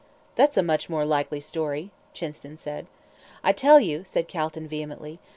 "That's a much more likely story," Chinston said. "I tell you no," said Calton, vehemently.